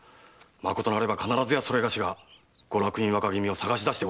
まことなれば必ずやそれがしがご落胤の若君を捜し出します。